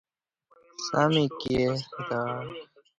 سم یې کښېږده !